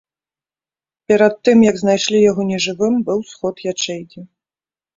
Перад тым, як знайшлі яго нежывым, быў сход ячэйкі.